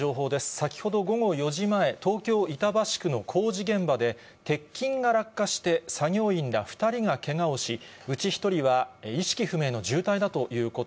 先ほど午後４時前、東京・板橋区の工事現場で、鉄筋が落下して、作業員ら２人がけがをし、うち１人は意識不明の重体だということ